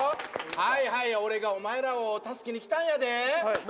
はいはい俺がお前らを助けに来たんやで。